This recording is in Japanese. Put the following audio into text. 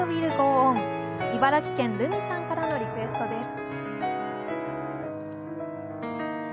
茨城県、るみさんからのリクエストです。